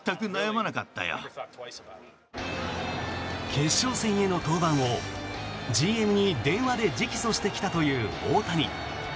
決勝戦への登板をＧＭに電話で直訴してきたという大谷。